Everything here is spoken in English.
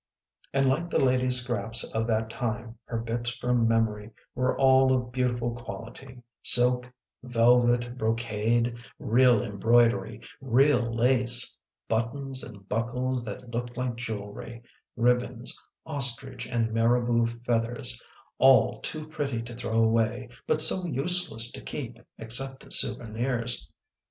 And like the ladies scraps of that time her bits from memory were all of beautiful quality: silk, velvet, brocade, real embroidery, real lace; buttons and buckles that looked like jewelry, ribbons, ostrich and marabout feathers, all too pretty to throw away but so useless to keep except as souvenirs.